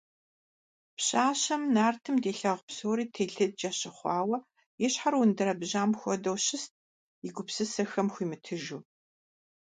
Пщащэм нартым дилъагъу псори телъыджэ щыхъуарэ и щхьэр ундэрэбжьам хуэдэу щыст, и гупсысэхэм хуимытыжу.